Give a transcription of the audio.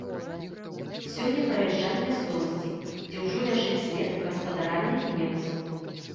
Сёння праязджалі мясцовасці, дзе ўжо ляжыць след гаспадарання немцаў.